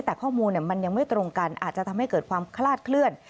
แต่ข้อมูลมันยังไม่ตรงกันอาจจะทำให้เกิดความคลาดเคลื่อน